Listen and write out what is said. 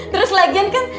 terus lagian kan